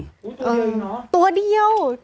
อุ้ยตัวเดียวเนอะตัวเดียว